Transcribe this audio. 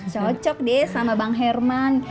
cocok deh sama bang herman